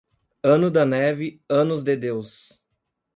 Ano da neve, anos de Deus.